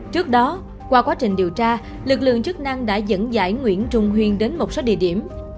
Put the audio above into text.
trước đó qua quá trình điều tra lực lượng chức năng đã dẫn dãi nguyễn trung huyên đến một số địa điểm